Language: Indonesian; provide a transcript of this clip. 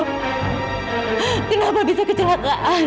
kenapa bisa kecelakaan